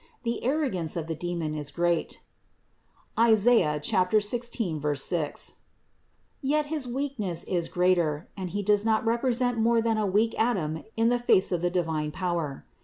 The arrogance of the dragon is great (Is. 16, 6), yet his weakness is greater; and he does not represent more than a weak atom in the face of the divine power.